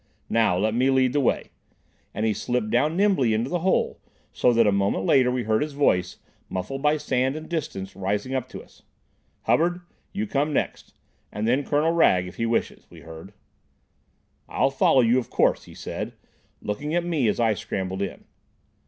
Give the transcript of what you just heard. "Now, let me lead the way." And he slipped down nimbly into the hole, so that a moment later we heard his voice, muffled by sand and distance, rising up to us. "Hubbard, you come next, and then Colonel Wragge—if he wishes," we heard. "I'll follow you, of course," he said, looking at me as I scrambled in.